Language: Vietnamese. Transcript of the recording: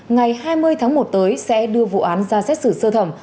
ngày hai mươi tháng một tới sẽ đưa vụ án ra xét xử sơ thẩm